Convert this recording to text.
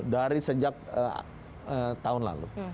dari sejak tahun lalu